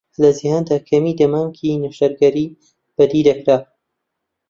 لە جیهاندا کەمی دەمامکی نەشتەرگەری بەدیدەکرا.